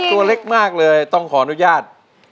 ตัวเล็กมากเลยต้องขออนุญาต